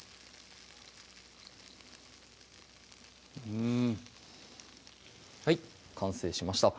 うんはい完成しました